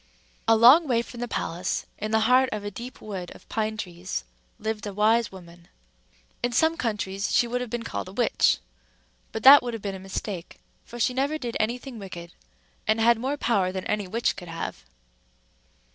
A long way from the palace, in the heart of a deep wood of pine trees, lived a wise woman. In some countries she would have been called a witch; but that would have been a mistake, for she never did any thing wicked, and had more power than any witch could have.